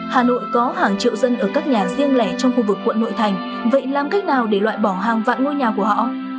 hà nội có hàng triệu dân ở các nhà riêng lẻ trong khu vực quận nội thành vậy làm cách nào để loại bỏ hàng vạn ngôi nhà của họ